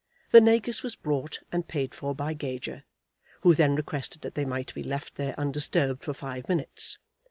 The negus was brought and paid for by Gager, who then requested that they might be left there undisturbed for five minutes.